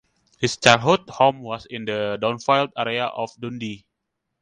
His childhood home was in the Downfield area of Dundee.